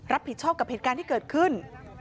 รับผิดชอบกับเหตุการณ์ที่เกิดขึ้น